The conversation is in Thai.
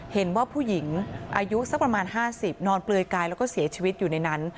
เห็นว่าผู้หญิงอายุสักประมาณ๕๐นอนเปลือยกายแล้วก็เสียชีวิตอยู่ในนั้น